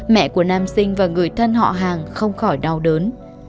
mẹ của nam sinh và người thân họ hàng không khỏi đau đớn